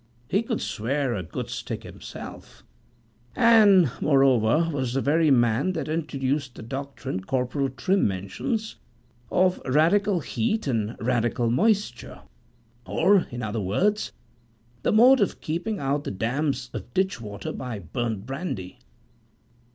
He could swear a good stick himself; and, moreover, was the very man that introduced the doctrine Corporal Trim mentions, of radical heat and radical moisture; or, in other words, the mode of keeping out the damps of ditch water by burnt brandy.